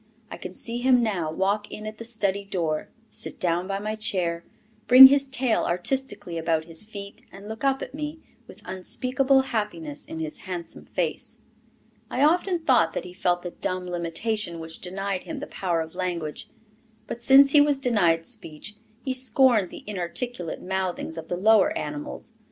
I can see him now walk in at the study door, sit down by my chair, bring his tail artistically about his feet, and look up at me with unspeakable happiness in his handsome face. I often thought that he felt the dumb limitation which denied him the power of language. But since he was denied speech, he scorned the inarticulate mouthings of the lower animals.